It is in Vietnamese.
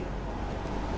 bản tin của ubnd